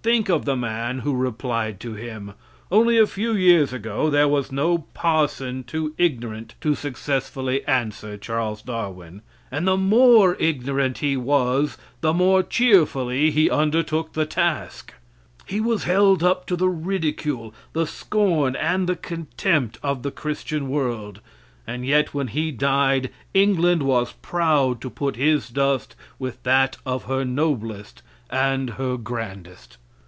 Think of the man who replied to him. Only a few years ago there was no parson too ignorant to successfully answer Charles Darwin; and the more ignorant he was the more cheerfully he undertook the task. He was held up to the ridicule, the scorn, and the contempt of the Christian world, and yet when he died England was proud to put his dust with that of her noblest and her grandest.